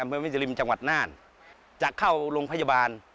เมืองวิทยาลิมจังหวัดน่านจะเข้าโรงพยาบาล